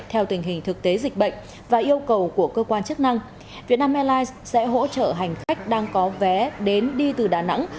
theo tình hình thực tế dịch bệnh và yêu cầu của cơ quan chức năng việt nam airlines sẽ hỗ trợ hành khách đang có vé đến đi từ đà nẵng